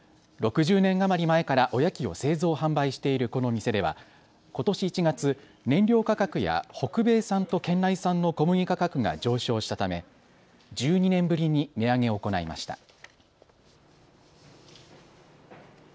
６０年余り前からおやきを製造・販売しているこの店ではことし１月、燃料価格や北米産と県内産の小麦価格が上昇したため１２年ぶりに値上げを行いました。